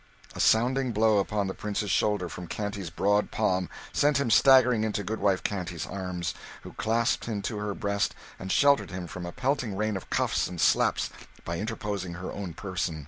A sounding blow upon the Prince's shoulder from Canty's broad palm sent him staggering into goodwife Canty's arms, who clasped him to her breast, and sheltered him from a pelting rain of cuffs and slaps by interposing her own person.